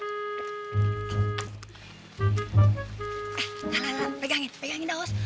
eh lalala pegangin pegangin dah os